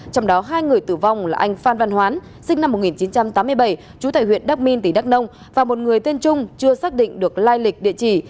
trong đó hai người tử vong là anh phan văn hoán sinh năm một nghìn chín trăm tám mươi bảy trú tại huyện đắc minh tỉnh đắk nông và một người tên trung chưa xác định được lai lịch địa chỉ